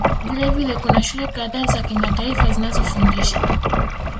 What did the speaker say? Vilevile kuna shule kadhaa za kimataifa zinazofundisha